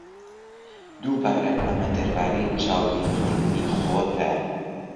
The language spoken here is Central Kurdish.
دووبارە، ئەمە دەربارەی چاودێریکردنی خۆتە.